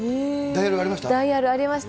ダイヤルありました？